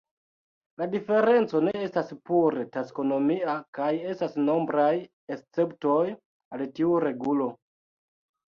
La diferenco ne estas pure taksonomia kaj estas nombraj esceptoj al tiu regulo.